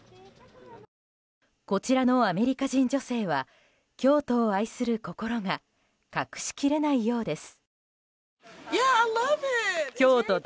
こちらのアメリカ人女性は京都を愛する心が隠しきれないようです。